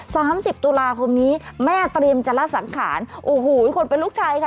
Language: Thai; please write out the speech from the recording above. สามสิบตุลาคมนี้แม่เตรียมจะละสังขารโอ้โหคนเป็นลูกชายค่ะ